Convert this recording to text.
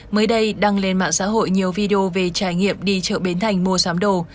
mới đây đăng lên mạng xã hội nhiều video về trải nghiệm đi chợ bến thành mua sắm đồ